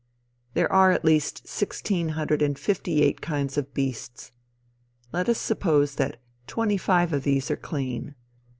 There are at least sixteen hundred and fifty eight kinds of beasts. Let us suppose that twenty five of these are clean.